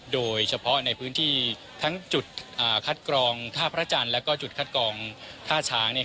โดยเฉพาะในพื้นที่ทั้งจุดคัดกรองท่าพระจันทร์และจุดคัดกรองท่าช้าง